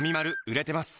売れてます！